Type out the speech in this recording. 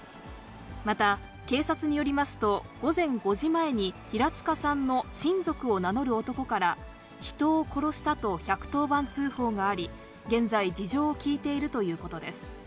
また警察によりますと、午前５時前に、平塚さんの親族を名乗る男から、人を殺したと１１０番通報があり、現在、事情を聴いているということです。